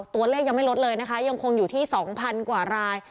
ตัวเลขยังไม่ลดเลยนะคะยังคงอยู่ที่๒๐๐๐กว่าราย